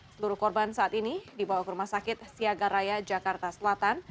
seluruh korban saat ini dibawa ke rumah sakit siagaraya jakarta selatan